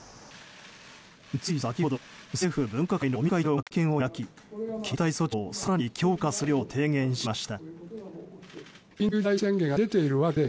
つい先ほど、政府分科会の尾身会長が会見を開き緊急事態措置を更に強化するよう提言しました。